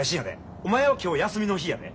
お前は今日休みの日やで。